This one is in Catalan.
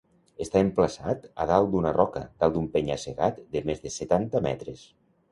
Està emplaçat a dalt d'una roca, dalt d'un penya-segat de més de setanta metres.